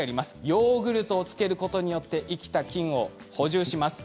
ヨーグルトをつけることによって食物繊維を補充します。